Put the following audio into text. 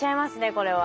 これは。